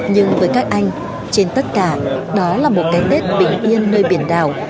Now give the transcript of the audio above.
nhưng với các anh trên tất cả đó là một cái tết bình yên nơi biển đảo